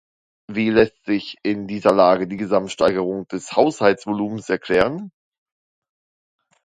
Wie lässt sich in dieser Lage die Gesamtsteigerung des Haushaltsvolumens erklären?